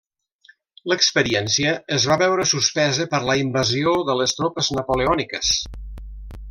L'experiència es va veure suspesa per la invasió de les tropes napoleòniques.